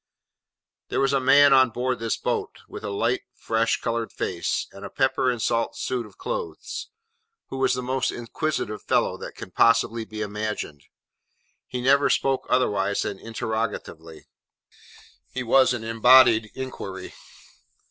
There was a man on board this boat, with a light fresh coloured face, and a pepper and salt suit of clothes, who was the most inquisitive fellow that can possibly be imagined. He never spoke otherwise than interrogatively. He was an embodied inquiry.